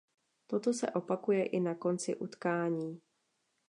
Toto se opakuje i na konci utkání.